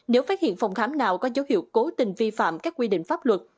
nếu phát hiện phòng khám nào có dấu hiệu cố tình vi phạm các quy định pháp luật